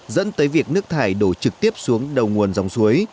dẫn tới việc nước thải đổ trực tiếp xuống đầu nguồn dòng suối